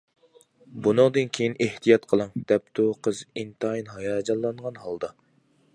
-بۇنىڭدىن كېيىن ئېھتىيات قىلىڭ، -دەپتۇ قىز ئىنتايىن ھاياجانلانغان ھالدا.